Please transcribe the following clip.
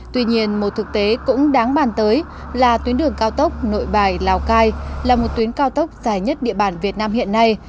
tuy nhiên một thực tế cũng đáng bàn tới là tuyến đường cao tốc nội bài lào cai là một tuyến cao tốc dài nhất địa bàn việt nam hiện nay